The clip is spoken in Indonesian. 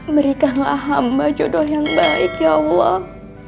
berikanlah hamba jodoh yang baik ya allah